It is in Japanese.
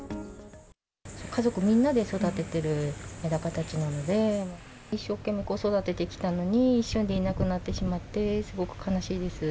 家族みんなで育ててるめだかたちなので、一生懸命育ててきたのに、一瞬でいなくなってしまって、すごく悲しいです。